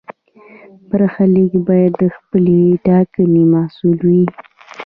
برخلیک باید د خپلې ټاکنې محصول وي.